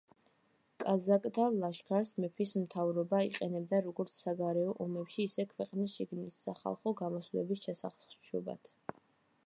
კაზაკთა ლაშქარს მეფის მთავრობა იყენებდა როგორც საგარეო ომებში, ისე ქვეყნის შიგნით, სახალხო გამოსვლების ჩასახშობად.